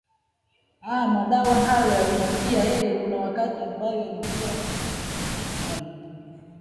aa madawa hayo yameingia ee kuna wakati ambayo yalikuwa yameingia sana